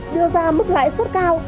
đưa ra mức lãi suất cao